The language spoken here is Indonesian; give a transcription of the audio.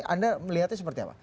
anda melihatnya seperti apa